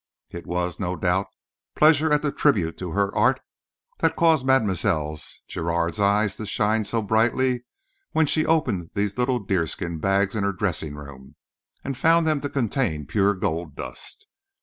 It was, no doubt, pleasure at the tribute to her art that caused Mlle. Giraud's eyes to shine so brightly when she opened these little deerskin bags in her dressing room and found them to contain pure gold dust.